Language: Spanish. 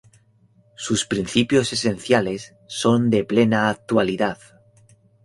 Sus principios esenciales son de plena actualidad.